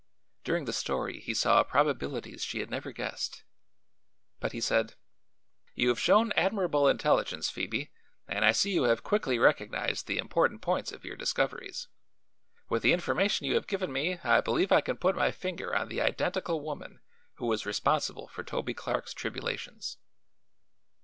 During the story he saw probabilities she had never guessed. But he said: "You have shown admirable intelligence, Phoebe, and I see you have quickly recognized the important points of your discoveries. With the information you have given me I believe I can put my finger on the identical woman who is responsible for Toby Clark's tribulations."